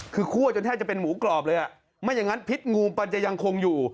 คือคั่วจนแทบจะเป็นหมูกรอบเลยอ่ะไม่อย่างนั้นพิษงูมันจะยังคงอยู่